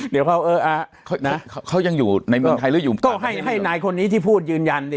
เดี๋ยวพอนะเขายังอยู่ในเมืองไทยหรืออยู่ก็ให้ให้นายคนนี้ที่พูดยืนยันดิ